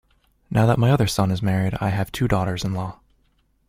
Now that my other son is married I have two daughters-in-law.